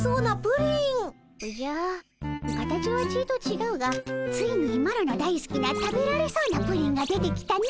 おじゃ形はちいとちがうがついにマロのだいすきな食べられそうなプリンが出てきたの。